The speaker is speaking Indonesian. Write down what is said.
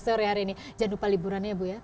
sore hari ini jangan lupa liburannya ya ibu ya